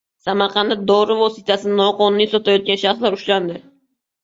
Samarqandda dori vositasini noqonuniy sotayotgan shaxslar ushlandi